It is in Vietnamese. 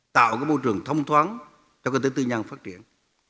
tạo môi trường thông thoáng cho kinh tế tư nhân phát triển